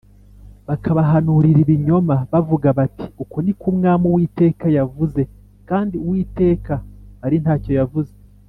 bakabahanurira ibinyoma bavuga bati ‘Uku ni ko Umwami Uwiteka yavuze’, kandi Uwiteka ari nta cyo yavuze